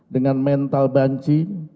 dengan mental banci